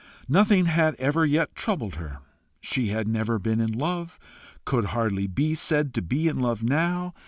Nothing had ever yet troubled her. She had never been in love, could hardly be said to be in love now.